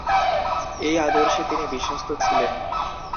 এই আদর্শে তিনি বিশ্বস্ত ছিলেন।